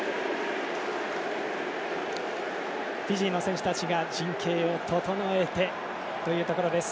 フィジーの選手たちが陣形を整えてというところです。